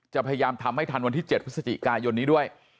พยายามทำให้ทันวันที่๗พฤศจิกายนนี้ด้วย